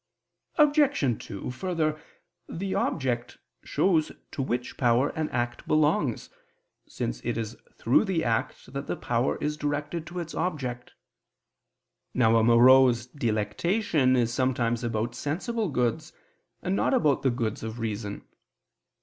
Obj. 2: Further, the object shows to which power an act belongs, since it is through the act that the power is directed to its object. Now a morose delectation is sometimes about sensible goods, and not about the goods of the reason.